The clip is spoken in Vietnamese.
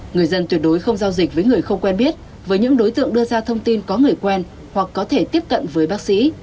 người dân tuyệt đối không giao dịch với người không quen biết với những đối tượng đưa ra thông tin có người quen hoặc có thể tiếp cận với bác sĩ